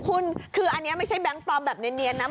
คุณคืออันนี้ไม่ใช่แบงค์ปลอมแบบเนียนนะ